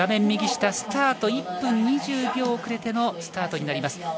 スタート１分２０秒遅れてのスタートになります。